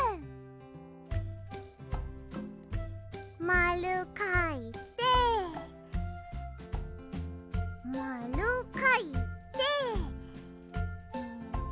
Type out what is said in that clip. まるかいてまるかいて。